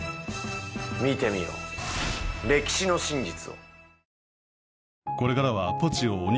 見てみよう歴史の真実を。